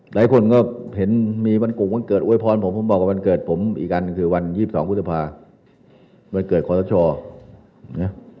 หลายคนก็เห็นมีวันกลุ่มวันเกิดโอ้ยพรผมบอกวันเกิดผมอีกอันคือวันยี่สิบสองพุทธภาควันเกิดขอสชอเนี่ย